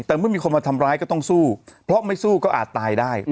แต่เมื่อมีคนมาทำร้ายก็ต้องสู้เพราะไม่สู้ก็อาจตายได้